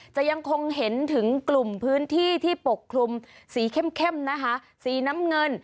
จะยังคงเห็นถึงกลุ่มพื้นที่ที่ปกคลุมสีเข้มนะคะสีน้ำเงิน